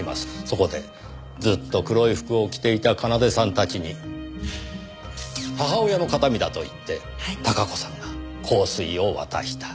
そこでずっと黒い服を着ていた奏さんたちに母親の形見だと言って孝子さんが香水を渡した。